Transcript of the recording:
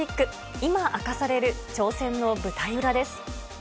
今明かされる挑戦の舞台裏です。